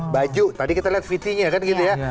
baju tadi kita lihat vt nya kan gitu ya